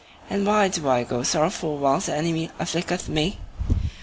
and why do I go sorrowful whilst the enemy afflicteth me?